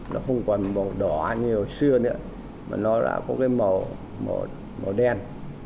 nó không còn màu đỏ như hồi xưa nữa mà nó đã có màu đen